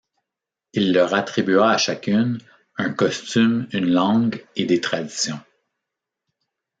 Il leur attribua à chacune un costume, une langue et des traditions.